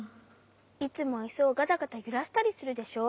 いつもイスをガタガタゆらしたりするでしょ？